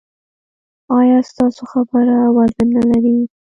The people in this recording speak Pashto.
ایا ستاسو خبره وزن نلري؟